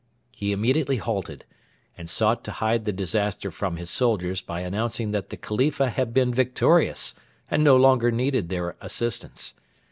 He immediately halted, and sought to hide the disaster from his soldiers by announcing that the Khalifa had been victorious and no longer needed their assistance.